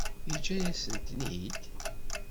Yeǧǧa-yasen-ten-id?